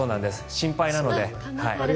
心配なので。